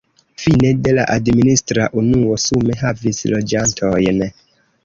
Fine de la administra unuo sume havis loĝantojn.